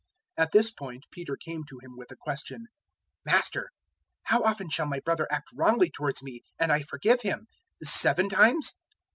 018:021 At this point Peter came to Him with the question, "Master, how often shall my brother act wrongly towards me and I forgive him? seven times?"